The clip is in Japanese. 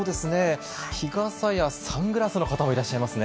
日傘やサングラスの方もいらっしゃいますね。